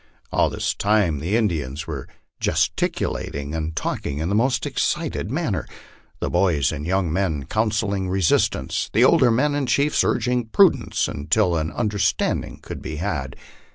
All this time the Indians were ges 244 MY LIFE ON THE PLAINS. ticulating and talking in the most excited manner; the boys and young men counselling resistance, the older men and chiefs urging prudence until an un derstanding could be had.